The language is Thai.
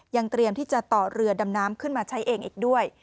เตรียมที่จะต่อเรือดำน้ำขึ้นมาใช้เองอีกด้วย